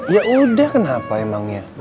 yaudah kenapa emangnya